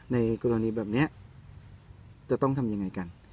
ในกรณีแบบนี้จะต้องทำยังไงกัน